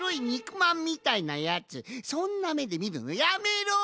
まんみたいなやつそんなめでみるのやめろ！